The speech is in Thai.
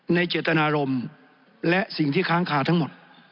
เจตนารมณ์และสิ่งที่ค้างคาทั้งหมด